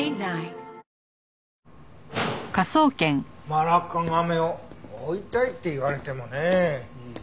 マラッカガメを追いたいって言われてもねえ。